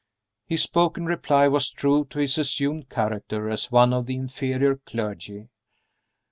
His spoken reply was true to his assumed character as one of the inferior clergy.